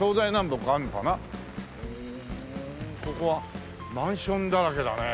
ここはマンションだらけだね。